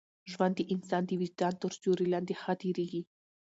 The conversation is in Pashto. ژوند د انسان د وجدان تر سیوري لاندي ښه تېرېږي.